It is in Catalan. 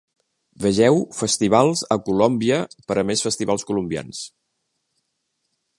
Vegeu Festivals a Colombia per a més festivals colombians.